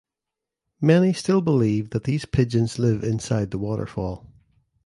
Many still believe that these pigeons live inside the waterfall.